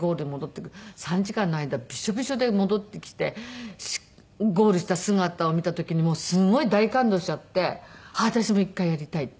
３時間の間ビショビショで戻ってきてゴールした姿を見た時にすごい大感動しちゃって私も一回やりたい！って。